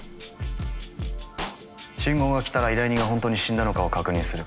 信号が来たら依頼人が本当に死んだのかを確認する。